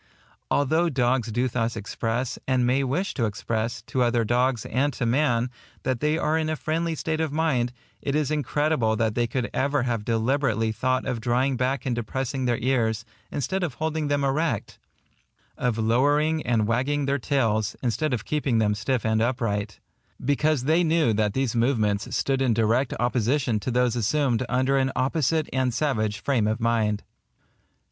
Although dogs do thus express, and may wish to express, to other dogs and to man, that they are in a friendly state of mind, it is incredible that they could ever have deliberately thought of drawing back and depressing their ears, instead of holding them erect,—of lowering and wagging their tails, instead of keeping them stiff and upright, &c., because they knew that these movements stood in direct opposition to those assumed under an opposite and savage frame of mind.